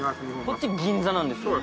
こっち「銀座」なんですよ